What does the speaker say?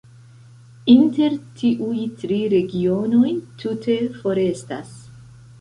Inter tiuj tri regionoj tute forestas.